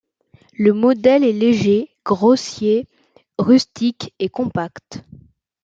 Le modèle est léger, grossier, rustique et compact.